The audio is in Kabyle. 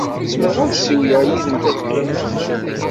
Zemreɣ ad ssiwleɣ yid-m tadqiqt?